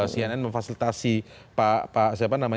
cnn memfasilitasi pak yan untuk membongkar ini